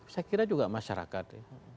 saya kira juga masyarakat